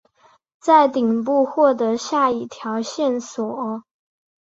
在顶部获得下一条线索。